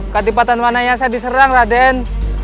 kadipaten manayasa diserang raden